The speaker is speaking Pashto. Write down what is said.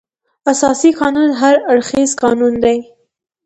اساسي قانون هر اړخیز قانون دی.